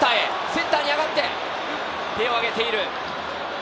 センターに上がって手をあげている。